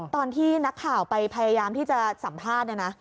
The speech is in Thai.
ตอนที่นักข่าวไปพยายามที่จะสัมภาษณ์เนี่ยนะ